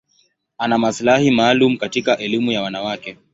Ana maslahi maalum katika elimu ya wanawake.